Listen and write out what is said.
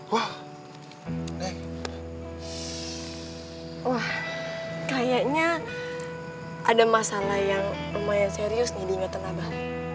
wah kayaknya ada masalah yang lumayan serius nih di ingatan abah